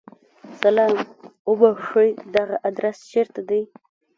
سلام! اوبښئ! دغه ادرس چیرته دی؟